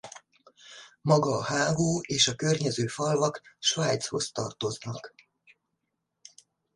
Maga a hágó és a környező falvak Svájchoz tartoznak.